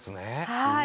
はい。